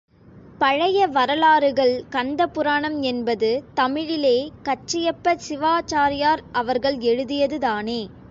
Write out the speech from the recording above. பழைய வரலாறுகள் கந்தபுராணம் என்பது தமிழிலே கச்சியப்ப சிவாசாரியார் அவர்கள் எழுதியதுதானே?